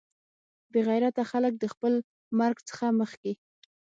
بې غیرته خلک د خپل مرګ څخه مخکې.